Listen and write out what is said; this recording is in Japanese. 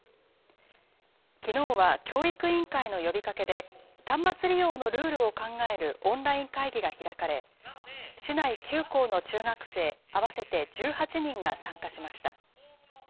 きのうは教育委員会の呼びかけで、端末利用のルールを考えるオンライン会議が開かれ、市内９校の中学生合わせて１８人が参加しました。